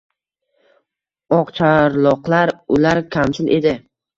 Oqcharloqlar — ular kamchil edi —